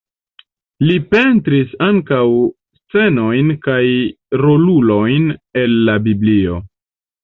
Li pentris ankaŭ scenojn kaj rolulojn el la Biblio.